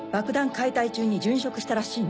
解体中に殉職したらしいの。